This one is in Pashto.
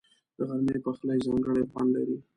د غرمې پخلی ځانګړی خوند لري